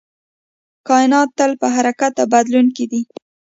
کائنات تل په حرکت او بدلون کې دی